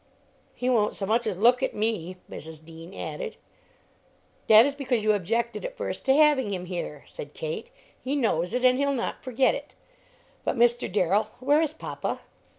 "He won't so much as look at me," Mrs. Dean added. "That is because you objected at first to having him here," said Kate; "he knows it, and he'll not forget it. But, Mr. Darrell, where is papa?"